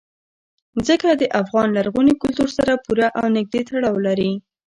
ځمکه د افغان لرغوني کلتور سره پوره او نږدې تړاو لري.